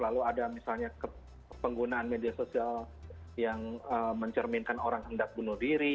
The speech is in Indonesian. lalu ada misalnya penggunaan media sosial yang mencerminkan orang hendak bunuh diri